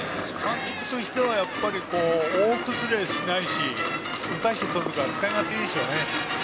監督としては大崩れしないし打たせてとるから使い勝手がいいですね。